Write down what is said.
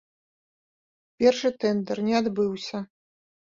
Першы тэндэр не адбыўся.